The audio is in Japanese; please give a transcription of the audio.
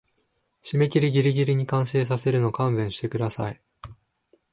締切ギリギリに完成させるの勘弁してください